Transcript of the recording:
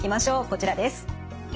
こちらです。